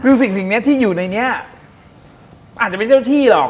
คือสิ่งนี้ที่อยู่ในนี้อาจจะไม่เจ้าที่หรอก